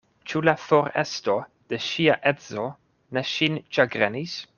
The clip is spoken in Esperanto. Ĉu la foresto de ŝia edzo ne ŝin ĉagrenis?